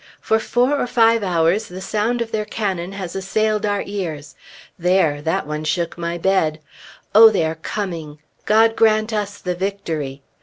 For four or five hours the sound of their cannon has assailed our ears. There! that one shook my bed! Oh, they are coming! God grant us the victory!